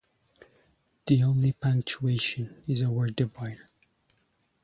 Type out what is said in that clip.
The only punctuation is a word divider.